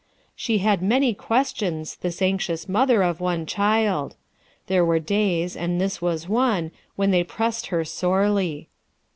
" She had many questions, this anxious mother of one child ; there were days, and this was one, when they pressed her sorely.